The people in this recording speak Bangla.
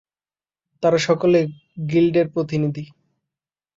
তারা সকলে গিল্ডের প্রতিনিধি।